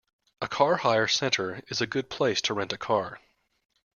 A car hire centre is a good place to rent a car